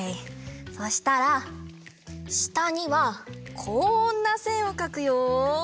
そしたらしたにはこんなせんをかくよ！